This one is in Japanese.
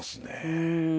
うん。